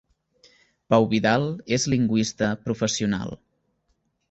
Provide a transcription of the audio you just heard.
Pau Vidal és lingüista professional.